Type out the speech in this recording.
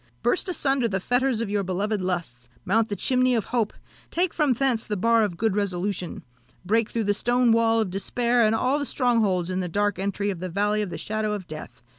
Burst asunder the fetters of your beloved lusts, mount the chimney of hope, take from thence the bar of good resolution, break through the stone wall of despair, and all the strongholds in the dark entry of the valley of the shadow of death!